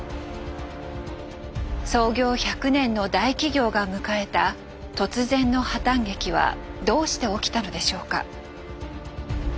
創業１００年の大企業が迎えた突然の破たん劇はどうして起きたのでしょうか？